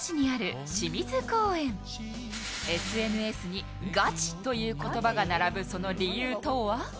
ＳＮＳにガチという言葉が並ぶその理由とは？